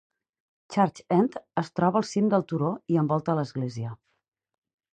Church End es troba al cim del turó i envolta l'església.